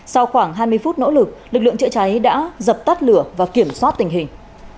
sau khoảng hai mươi phút nỗ lực lực lượng chữa cháy đã dập tắt lửa và kiểm soát tình hình